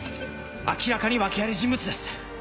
明らかに訳あり人物です。